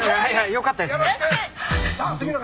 よかったですね。